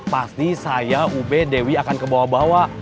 pasti saya ube dewi akan kebawa bawa